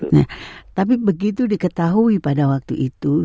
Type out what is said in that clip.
nah tapi begitu diketahui pada waktu itu